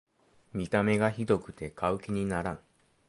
見た目がひどくて買う気にならん